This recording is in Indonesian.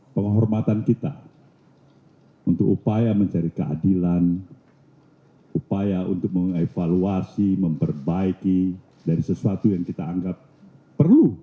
penghormatan kita untuk upaya mencari keadilan upaya untuk mengevaluasi memperbaiki dari sesuatu yang kita anggap perlu